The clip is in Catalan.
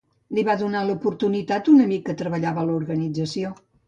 Li va donar l'oportunitat un amic que treballava a l'organització.